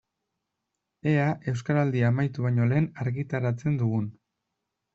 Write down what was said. Ea Euskaraldia amaitu baino lehen argitaratzen dugun.